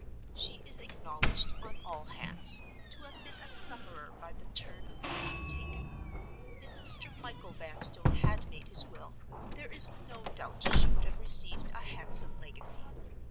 She is acknowledged on all hands to have been a sufferer by the turn events have taken. If Mr. Michael Vanstone had made his will, there is no doubt she would have received a handsome legacy.